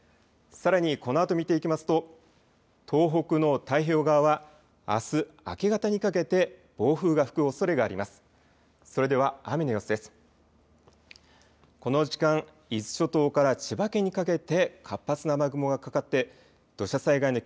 さらにこのあと見ていきますと東北の太平洋側はあす明け方にかけて暴風が吹くおそれがあります。